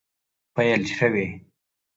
پیل شوي